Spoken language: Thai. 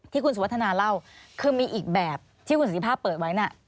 ที่คุณสุวัฒนาเล่าคือมีอีกแบบที่คุณสุธิภาพเปิดไว้น่ะ